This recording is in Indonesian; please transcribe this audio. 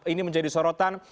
ini menjadi sorotan